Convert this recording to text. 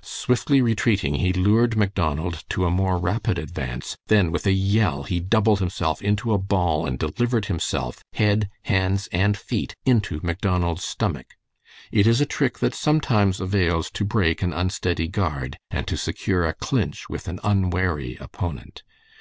Swiftly retreating, he lured Macdonald to a more rapid advance, then with a yell he doubled himself into a ball and delivered himself head, hands, and feet into Macdonald's stomach. It is a trick that sometimes avails to break an unsteady guard and to secure a clinch with an unwary opponent.